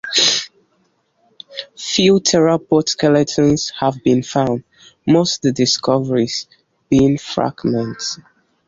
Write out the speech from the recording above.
Few theropod skeletons have been found, most discoveries being fragments.